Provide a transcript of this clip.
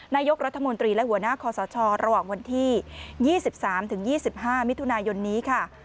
นายกรัฐมนตรีและหัวหน้าคอสชระหว่างวันที่ยี่สิบสามถึงยี่สิบห้ามิถุนายนนี้ค่ะ